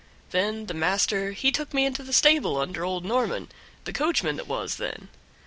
Then the master he took me into the stable under old Norman, the coachman that was then.